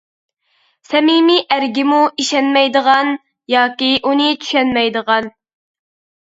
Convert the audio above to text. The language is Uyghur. سەمىمىي ئەرگىمۇ ئىشەنمەيدىغان، ياكى ئۇنى چۈشەنمەيدىغان.